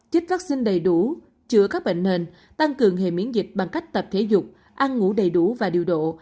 chích vaccine đầy đủ chữa các bệnh nền tăng cường hệ miễn dịch bằng cách tập thể dục ăn ngủ đầy đủ và điều độ